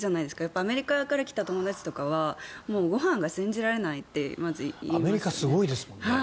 アメリカから来た友達とかはご飯が信じられないってまず言いますね。